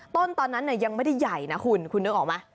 ตอนนั้นยังไม่ได้ใหญ่นะคุณคุณนึกออกไหม